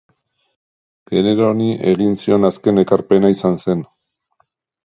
Genero honi egin zion azken ekarpena izan zen.